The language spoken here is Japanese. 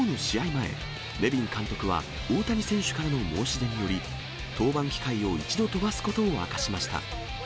前、ネビン監督は大谷選手からの申し入れにより、登板機会を１度飛ばすことを明かしました。